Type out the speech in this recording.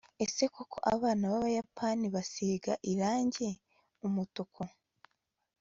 ese koko abana b'abayapani basiga irangi umutuku